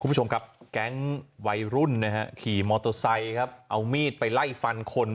คุณผู้ชมครับแก๊งม์วัยรุ่นขี่มอทโอโตซัยเอามีดไปไล่ฟันคน